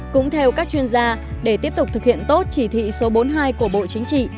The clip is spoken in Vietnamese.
cũng theo các chuyên gia để tiếp tục thực hiện tốt chỉ thị số bốn mươi hai của bộ chính trị